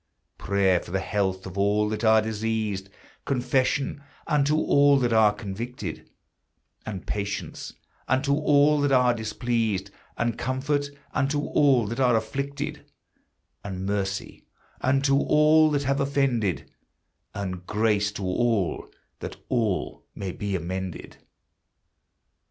Prayer for the health of all that are diseased, Confession unto all that are convicted, And patience unto all that are displeased, And comfort unto all that are afflicted, And mercy unto all that have offended, And grace to all, that all may be amended.